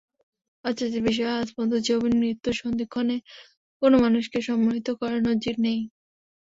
আশ্চর্যের বিষয়, আজ পর্যন্ত জবিন-মৃত্যুর সন্ধিক্ষণে কোনো মানুষকে সম্মোহিত করার নজির নেই।